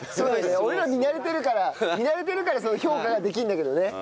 俺らは見慣れてるから見慣れてるからそういう評価ができるんだけどね。